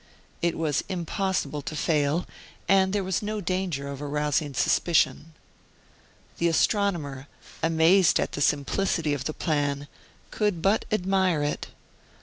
It was impossible to fail, and there was no danger of arousing suspicion. The astronomer, amazed at the simplicity of the plan, could but admire it.